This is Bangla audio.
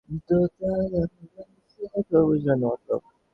তবু বুঝলে না মতলব?